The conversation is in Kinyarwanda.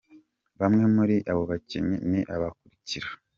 Bamwe muri abo bakinnyi ni aba bakurikira:.